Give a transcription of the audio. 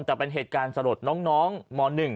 แต่เป็นเหตุการณ์สลดน้องม๑